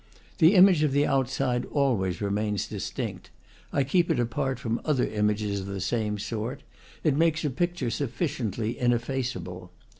The image of the outside always remains distinct; I keep it apart from other images of the same sort; it makes a picture sufficiently ineffaceable.